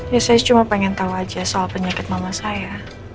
ya saya cuma pengen tahu aja soal penyakit mama saya